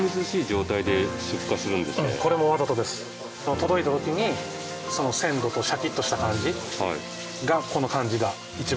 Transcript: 届いた時に鮮度とシャキッとした感じがこの感じが一番。